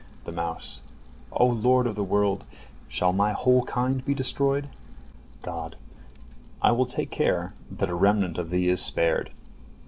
The mouse: "O Lord of the world! Shall my whole kind be destroyed?" God: "I will take care that a remnant of thee is spared."